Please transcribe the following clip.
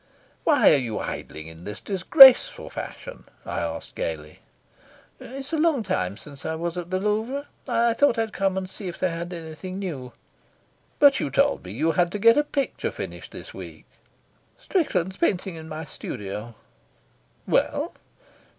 "Why are you idling in this disgraceful fashion?" I asked gaily. "It's a long time since I was at the Louvre. I thought I'd come and see if they had anything new." "But you told me you had to get a picture finished this week." "Strickland's painting in my studio." "Well?"